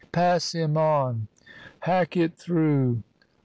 "Pass him on!" "Hack it through!"